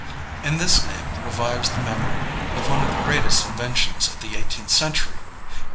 And this name revives the memory of one of the greatest inventions of the eighteenth century.